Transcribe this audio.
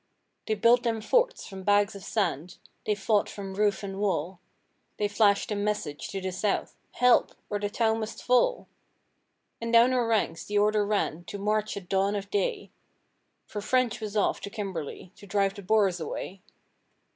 They built them forts from bags of sand, they fought from roof and wall, They flashed a message to the south 'Help! or the town must fall!' And down our ranks the order ran to march at dawn of day, For French was off to Kimberley to drive the Boers away.